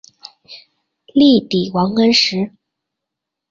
力抵王安石。